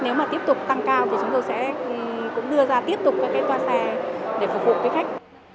nếu mà tiếp tục tăng cao thì chúng tôi sẽ cũng đưa ra tiếp tục các cái toa xe để phục vụ cái khách